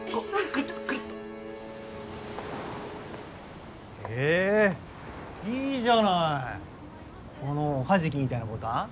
クルッとクルッとへえいいじゃないこのおはじきみたいなボタン？